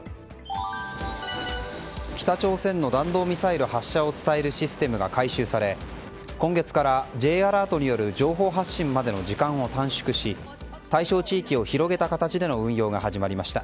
北朝鮮の弾道ミサイル発射を伝えるシステムが改修され今月からＪアラートによる情報発信までの時間を短縮し対象地域を広げた形での運用が始まりました。